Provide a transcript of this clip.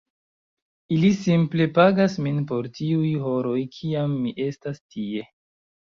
Ili simple pagas min por tiuj horoj kiam mi estas tie.